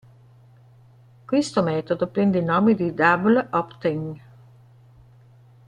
Questo metodo prende il nome di "double opt-in".